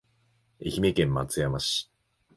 愛媛県松山市